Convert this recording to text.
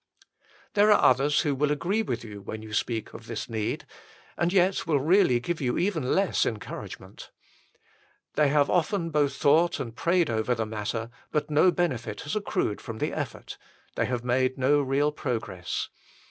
There are others who will agree with you when you speak of this need, and yet will really give you even less encouragement. They have often both thought and prayed over the matter, but no benefit has accrued from the effort : they have made no real progress.